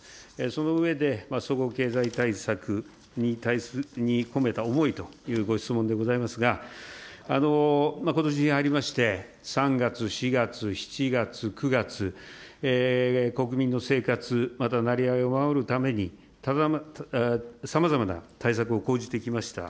その上で、総合経済対策に込めた思いというご質問でございますが、ことしに入りまして、３月、４月、７月、９月、国民の生活、またなりわいを守るために、さまざまな対策を講じてきました。